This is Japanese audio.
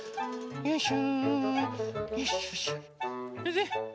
よいしょ。